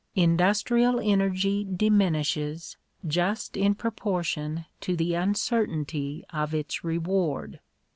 Industrial energy diminishes just in proportion to the uncertainty of its reward.